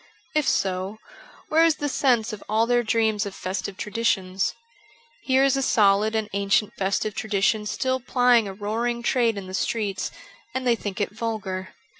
If so, where is the sense of all their dreams of festive traditions ? Here is a solid and ancient festive tradition still plying a roaring trade in the streets, and they think it vulgar.